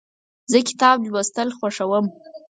زه کتاب لوستل خوښوم.